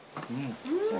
うん。